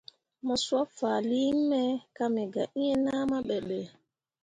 Mo sob fahlii nyi me ka me ga eẽ nahma be ɗə.